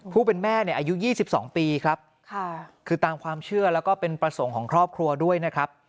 ผู้เป็นแม่เนี่ยอายุ๒๒ปีครับคือตามความเชื่อแล้วก็เป็นประสงค์ของครอบครัวด้วยนะครับ